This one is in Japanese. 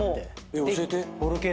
教えて。